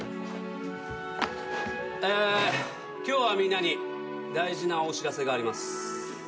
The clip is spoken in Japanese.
えー今日はみんなに大事なお知らせがあります。